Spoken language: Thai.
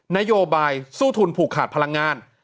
นโยบายสู้ทุนผูกขาดพลังงาน